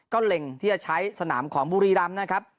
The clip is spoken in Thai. ก็เล็งที่จะใช้สนามของบุรีรำนะครับ